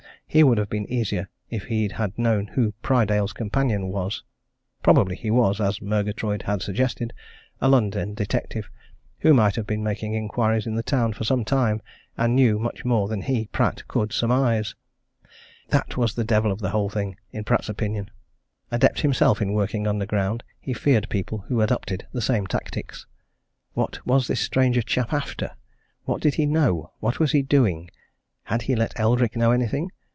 He would have been easier if he had known who Prydale's companion was probably he was, as Murgatroyd had suggested, a London detective who might have been making inquiries in the town for some time and knew much more than he, Pratt, could surmise. That was the devil of the whole thing! in Pratt's opinion. Adept himself in working underground, he feared people who adopted the same tactics. What was this stranger chap after? What did he know? What was he doing? Had he let Eldrick know anything?